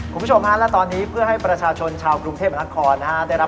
คุณผู้ชมมาแล้วตอนนี้เพื่อให้ประชาชนชาวกรุงเทพมนาคอลนะฮะ